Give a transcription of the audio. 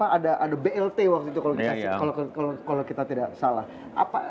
kalau kita tidak salah